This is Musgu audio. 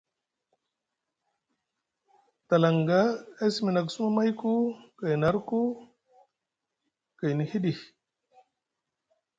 Dalaŋga a simi na ku suma mayku gayni arku gayni hiɗi.